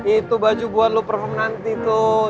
itu baju buat lo perhom nanti tuh